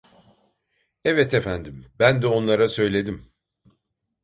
Evet efendim, ben de onlara söyledim!